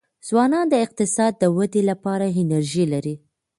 ځوانان د اقتصاد د ودې لپاره انرژي لري.